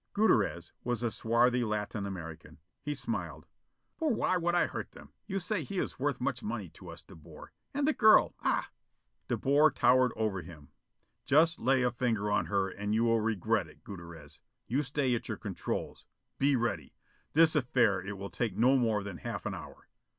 Gutierrez was a swarthy Latin American. He smiled. "For why would I hurt him? You say he is worth much money to us, De Boer. And the girl, ah " De Boer towered over him. "Just lay a finger on her and you will regret it, Gutierrez! You stay at your controls. Be ready. This affair it will take no more than half an hour."